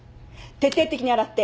徹底的に洗って。